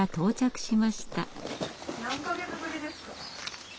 何か月ぶりですか？